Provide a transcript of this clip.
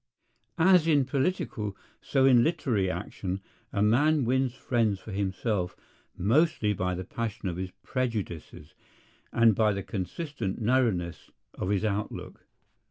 As in political so in literary action a man wins friends for himself mostly by the passion of his prejudices and by the consistent narrowness of his outlook.